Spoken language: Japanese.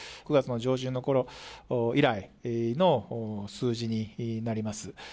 ９月の上旬のころ以来の数字になります。